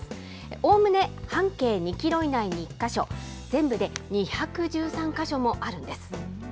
おおむね半径２キロ以内に１か所、全部で２１３か所もあるんです。